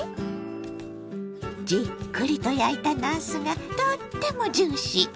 じっくりと焼いたなすがとってもジューシー。